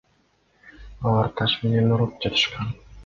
Алар таш менен уруп жатышкан.